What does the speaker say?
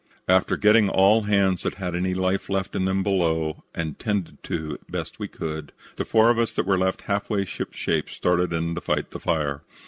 "After getting all hands that had any life left in them below and 'tended to the best we could, the four of us that were left half way ship shape started in to fight the fire.